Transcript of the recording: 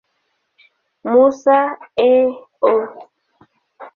Musa, A. O.